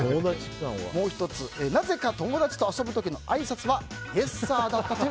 もう１つ、なぜか友達と遊ぶ時のあいさつはイエッサーだった。